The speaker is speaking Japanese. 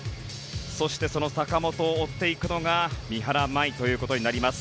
そしてその坂本を追っていくのが三原舞依ということになります。